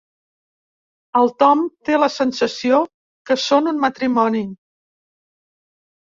El Tom té la sensació que són un matrimoni.